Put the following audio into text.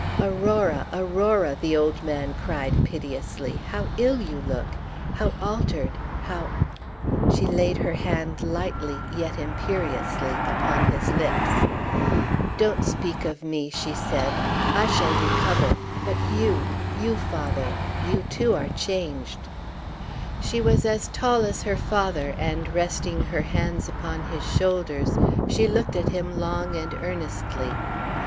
"Aurora, Aurora," the old man cried piteously, "how ill you look! how altered, how " She laid her hand lightly yet imperiously upon his lips. "Don't speak of me," she said, "I shall recover; but you you, father you too are changed." She was as tall as her father, and, resting her hands upon his shoulders, she looked at him long and earnestly.